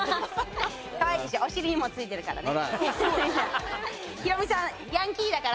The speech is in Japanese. お尻にもついてるからね。